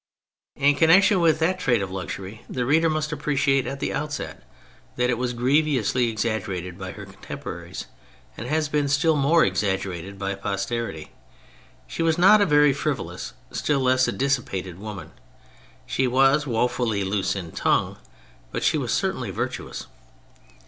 In connection with that trait of luxury, the reader must appreciate at the outset that it was grievously exaggerated by her contemporaries, and has been still more exaggerated by posterity. She was not a very frivolous, still less a dissipated, woman. She was woefully loose in tongue, but she was certainly virtuous.